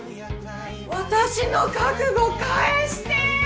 私の覚悟返して！